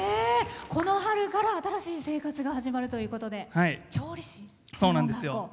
この春から新しい生活が始まるということで調理師の学校。